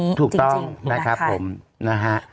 จริงถูกนะคะถูกต้องนะครับผมถูกนะครับ